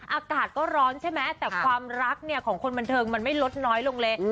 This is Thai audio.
อากาศก็ร้อนใช่ไหมแต่ความรักเนี่ยของคนบันเทิงมันไม่ลดน้อยลงเลย